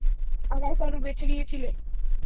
আমায় কেন বেছে নিয়েছিলে?